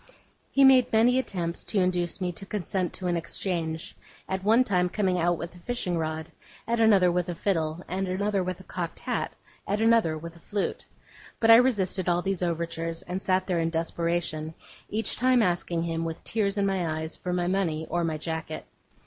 He made many attempts to induce me to consent to an exchange; at one time coming out with a fishing rod, at another with a fiddle, at another with a cocked hat, at another with a flute. But I resisted all these overtures, and sat there in desperation; each time asking him, with tears in my eyes, for my money or my jacket.